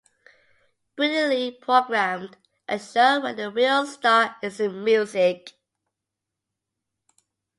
Brilliantly programmed - a show where the real star is the music.